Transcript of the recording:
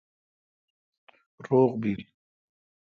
روغ بیل